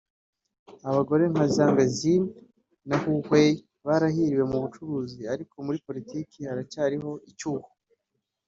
Abagore nka Zhang Xin na Hu Weiwe barahiriwe mu bucuruzi ariko muri politiki haracyariho icyuho